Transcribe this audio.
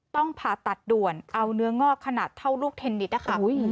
ผ่าตัดด่วนเอาเนื้องอกขนาดเท่าลูกเทนนิสนะคะ